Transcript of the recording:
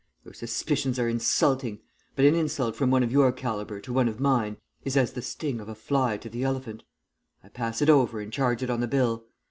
Your suspicions are insulting, but an insult from one of your calibre to one of mine is as the sting of a fly to the elephant; I pass it over and charge it on the bill.